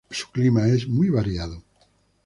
Su clima es muy variado.